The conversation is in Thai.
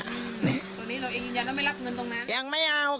ตรงนี้เราเองยืนยันว่าไม่รับเงินตรงนั้นยังไม่เอา